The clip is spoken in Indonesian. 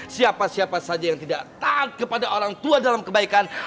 siapa siapa saja yang tidak taat kepada orang tua dalam kebaikan